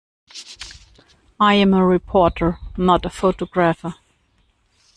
I'm a reporter not a photographer.